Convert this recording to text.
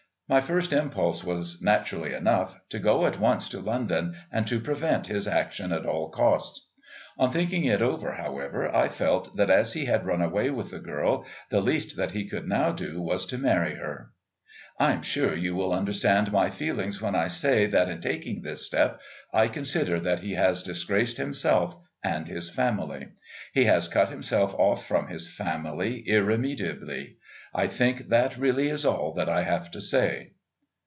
My first impulse was, naturally enough, to go at once to London and to prevent his action at all costs. On thinking it over, however, I felt that as he had run away with the girl the least that he could now do was to marry her. "I'm sure you will understand my feeling when I say that in taking this step I consider that he has disgraced himself and his family. He has cut himself off from his family irremediably. I think that really that is all that I have to say."